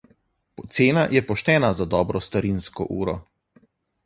Cena je poštena za dobro starinsko uro.